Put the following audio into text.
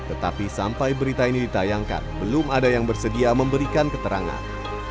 tetapi sampai berita ini ditayangkan belum ada yang bersedia memberikan keterangan